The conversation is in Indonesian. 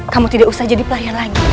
kamu tidak usah jadi pelayan lagi